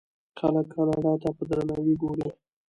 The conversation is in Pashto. خلک کاناډا ته په درناوي ګوري.